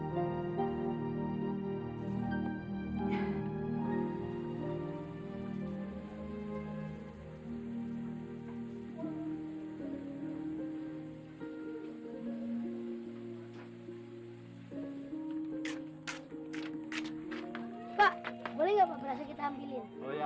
pak boleh nggak berasa kita ambil ambil aja